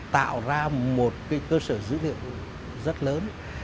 tạo ra một cơ sở dữ liệu rất lớn